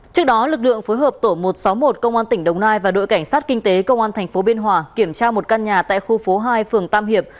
trước đó lực lượng phối hợp tổ một trăm sáu mươi một công an tỉnh đồng nai và đội cảnh sát kinh tế công an tp biên hòa kiểm tra một căn nhà tại khu phố hai phường tam hiệp